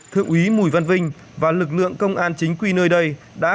thượng úy mùi văn vinh và lực lượng công an chính quy nơi đây